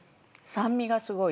酸味がすごい強い。